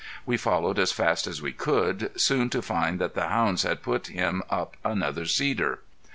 We followed as fast as we could, soon to find that the hounds had put him up another cedar.